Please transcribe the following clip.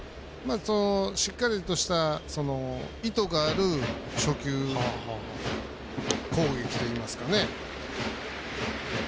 しっかりとした、意図がある初球攻撃といいますかね。